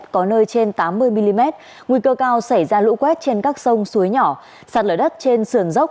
có nơi trên tám mươi mm nguy cơ cao xảy ra lũ quét trên các sông suối nhỏ sạt lở đất trên sườn dốc